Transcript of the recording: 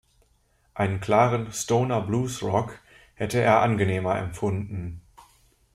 Einen klaren „Stoner-Blues-Rock“ hätte er angenehmer empfunden.